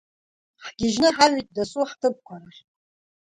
Ҳгьежьны ҳаҩт доусы ҳҭыԥқәа рахь.